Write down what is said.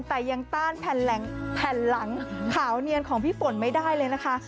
แต่ยังต้านแผ่นหลังขาวเนียนของพี่ฝนไม่ได้เลยนะคะ